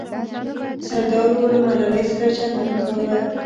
سردارو له ملالۍ سره جنګ نه کاوه.